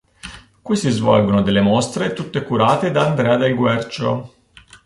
Qui si svolgono delle mostre tutte curate da Andrea Del Guercio.